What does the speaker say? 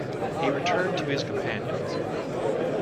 He returned to his companions.